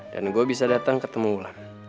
dan gue bisa datang ketemu ulan